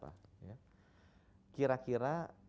kira kira menghitung berapa orang yang sakit